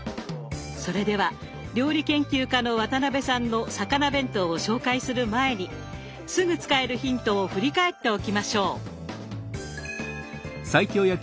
それでは料理研究家の渡辺さんの魚弁当を紹介する前にすぐ使えるヒントを振り返っておきましょう！